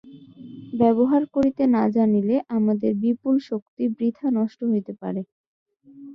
ব্যবহার করিতে না জানিলে আমাদের বিপুল শক্তি বৃথা নষ্ট হইতে পারে।